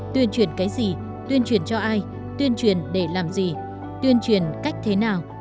tuyên truyền cái gì tuyên truyền cho ai tuyên truyền để làm gì tuyên truyền cách thế nào